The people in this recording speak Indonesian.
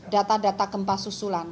data data gempa susulan